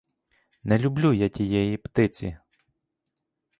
Не люблю я тієї птиці.